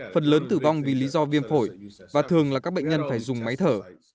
phần lớn tử vong vì lý do viêm phổi và thường là các bệnh nhân phải dùng máy thở